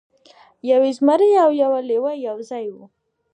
یو زمری او یو لیوه یو ځای وو.